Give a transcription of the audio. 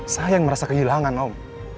saya yang merasa kehilangan om